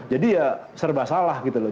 jadi ya serba salah gitu loh